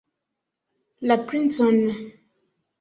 La princon!